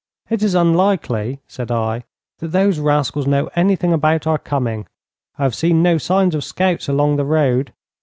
'It is unlikely,' said I, 'that those rascals know anything about our coming. I have seen no signs of scouts along the road.